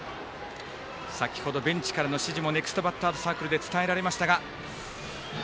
先ほどベンチからの指示もネクストバッターズサークルで伝えられましたが。